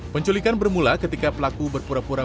penculikan bermula ketika pelaku berpura pura